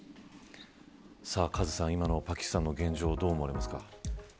カズさん、今のパキスタンの現状どう思われますか。